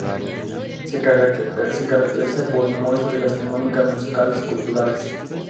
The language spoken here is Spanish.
Se caracteriza por muestras gastronómicas, musicales y culturales.